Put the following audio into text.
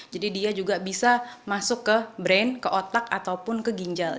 jadi dia juga bisa masuk ke otak atau ke ginjal